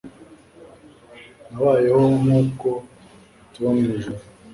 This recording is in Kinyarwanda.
nabayeho nkuko tuba mwijuru